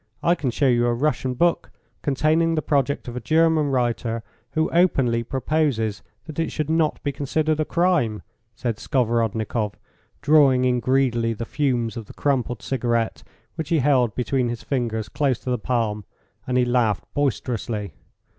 I can show you a Russian book containing the project of a German writer, who openly proposes that it should not be considered a crime," said Skovorodnikoff, drawing in greedily the fumes of the crumpled cigarette, which he held between his fingers close to the palm, and he laughed boisterously.